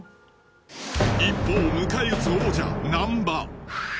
一方迎え撃つ王者・難波